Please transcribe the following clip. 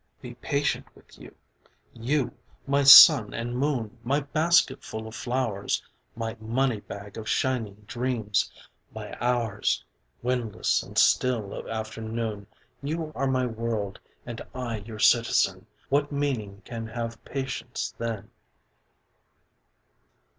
Be patient with you? You! My sun and moon! My basketful of flowers! My money bag of shining dreams! My hours, Windless and still, of afternoon! You are my world and I your citizen. What meaning can have patience then?